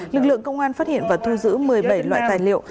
lực lượng công an phát hiện và thu giữ một mươi bảy loại tài liệu